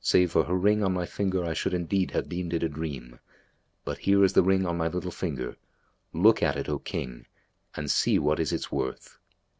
Save for her ring on my finger I should indeed have deemed it a dream; but here is the ring on my little finger: look at it, O King, and see what is its worth."